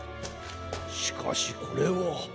しかしこれは。